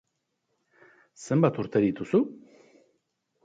Zenbat urte dituzu?